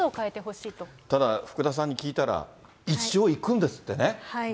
ただ、福田さんに聞いたら、一応行くんですってね。